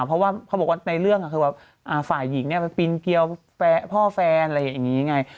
พอว่าเขาบอกว่าในเรื่องของคนนี้แหวกินเตียวพ่อแฟนไอ้อย่างงี้ไง